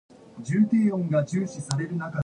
Newspaper reports stated he died from cholera morbus.